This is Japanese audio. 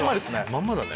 まんまだね。